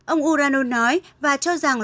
ông urano nói và cho rằng